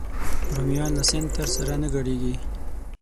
رومیان له سنتر سره نه ګډېږي